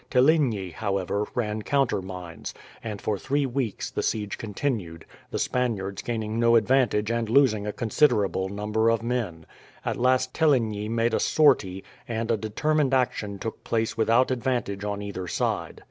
Teligny, however, ran counter mines, and for three weeks the siege continued, the Spaniards gaining no advantage and losing a considerable number of men. At last Teligny made a sortie, and a determined action took place without advantage on either side.